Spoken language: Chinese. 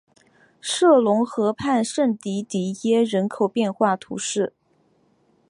杜龙河畔圣迪迪耶人口变化图示